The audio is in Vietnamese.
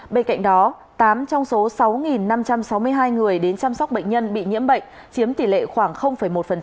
bên cạnh đó tám trong số sáu năm trăm sáu mươi hai người đến chăm sóc bệnh nhân bị nhiễm bệnh chiếm tỷ lệ khoảng một